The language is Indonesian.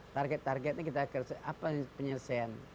target targetnya kita kerja apa penyelesaian